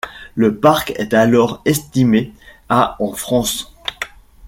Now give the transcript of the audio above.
Le parc est alors estimé à en France.